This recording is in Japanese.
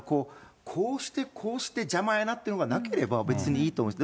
こうしてこうして、邪魔やなっていうのがなければ、別にいいと思います。